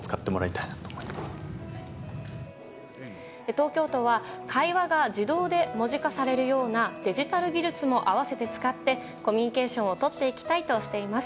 東京都は会話が自動で文字化されるようなデジタル技術も合わせて使ってコミュニケーションを取っていきたいとしています。